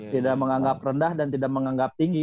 tidak menganggap rendah dan tidak menganggap tinggi